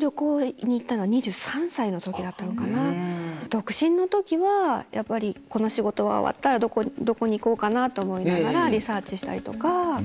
独身の時はやっぱりこの仕事が終わったらどこに行こうかなと思いながらリサーチしたりとか。